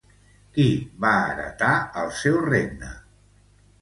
Qui va heretar el seu regne?